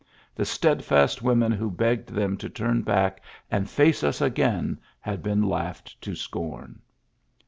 The steadfast women who begged them to turn back and face us again had been laughed to scorn.''